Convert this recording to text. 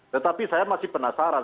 tetapi saya masih penasaran